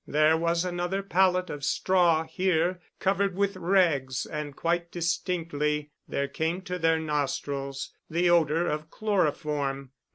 There was another pallet of straw here covered with rags and quite distinctly there came to their nostrils the odor of chloroform.